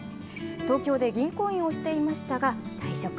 東京で銀行員をしていましたが、退職。